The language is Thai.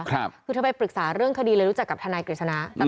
คือเธอไปปรึกษาเรื่องคดีเลยรู้จักกับทนายกฤษณะ